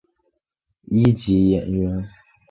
一级演员。